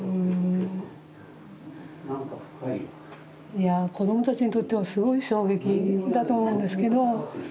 いや子どもたちにとってはすごい衝撃だと思うんですけど。